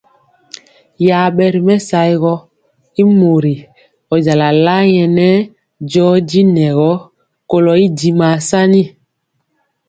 Yabe ri mɛsaogɔ y mori ɔjala laɛ nɛɛ joji nyegɔ kolo y dimaa sani.